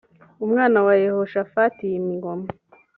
umwana wa yehoshafati yima ingoma